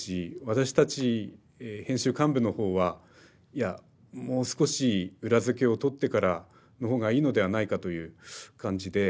私たち編集幹部の方は「いやもう少し裏付けをとってからの方がいいのではないか」という感じで。